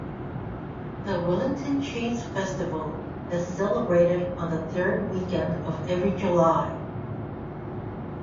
The Wellington Cheese Festival is celebrated on the third weekend of every July.